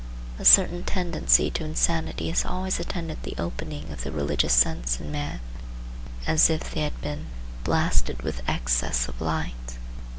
A certain tendency to insanity has always attended the opening of the religious sense in men, as if they had been "blasted with excess of light."